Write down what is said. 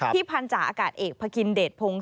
ที่พันจาอากาศเอกพระคิณเดชพงศ์